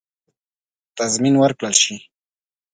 تضمین ورکړه شي.